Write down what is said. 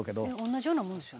「同じようなもんでしょ？